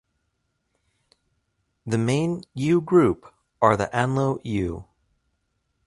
The main Ewe group are the Anlo Ewe.